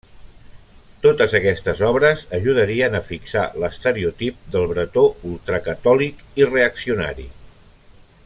Totes aquestes obres ajudarien a fixar l'estereotip del bretó ultracatòlic i reaccionari.